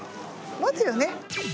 持つよね。